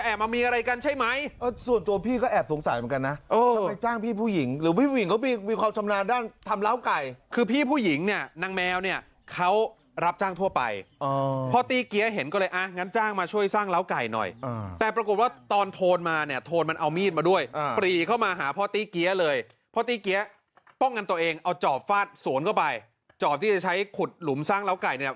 เอาจอบฟาดสวนเข้าไปจอบที่จะใช้ขุดหลุมสร้างเล้าไก่เนี่ย